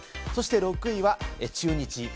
６位は中日。